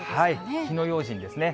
火の用心ですね。